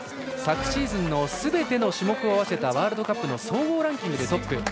昨シーズンのすべての種目を合わせたワールドカップ総合ランキングでトップ。